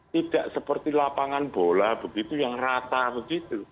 tidak seperti lapangan bola begitu yang rata begitu